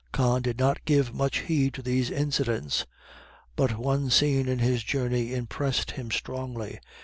Con did not give much heed to these incidents; but one scene in his journey impressed him strongly.